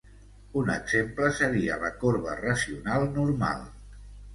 Un exemple seria la corba racional normal.